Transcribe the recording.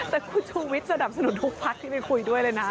แต่คุณชูวิทย์สนับสนุนทุกพักที่ไปคุยด้วยเลยนะ